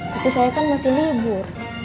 tapi saya kan masih libur